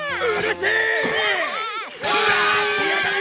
待ちやがれ！